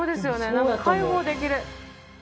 なんか解放できる。